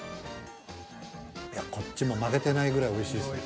いやこっちも負けてないぐらいおいしいですね。